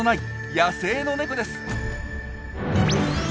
野生のネコです。